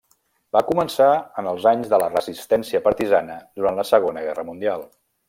Va començar en els anys de la resistència partisana durant la Segona Guerra Mundial.